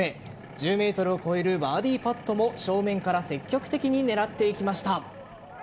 １０ｍを超えるバーディーパットも正面から積極的に狙っていきました。